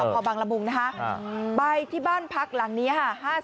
สมพบังละมุงนะคะใบที่บ้านพักหลังเนี่ยค่ะ